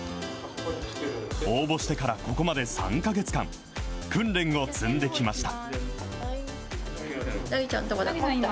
応募してからここまで３か月間、訓練を積んできました。